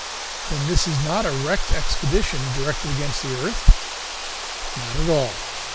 "Then this is not a wrecked expedition, directed against the earth?" "Not at all."